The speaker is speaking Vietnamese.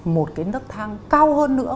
một cái nước thang cao hơn nữa